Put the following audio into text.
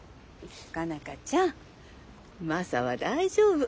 佳奈花ちゃんマサは大丈夫。